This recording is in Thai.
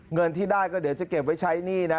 เงินที่ได้ก็เดี๋ยวจะเก็บไว้ใช้หนี้นะ